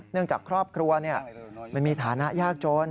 เนื่องจากครอบครัวไม่มีฐานะยากโจน